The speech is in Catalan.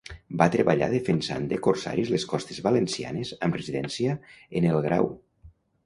Va treballar defensant de corsaris les costes valencianes amb residència en El Grau.